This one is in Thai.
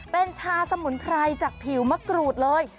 เป็นชาสมุนไพรจากผิวมะกรูดเลย